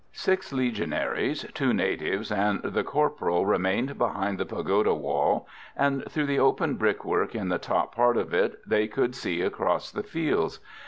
Six Legionaries, two natives and the corporal remained behind the pagoda wall, and through the open brickwork in the top part of it they could see across the fields.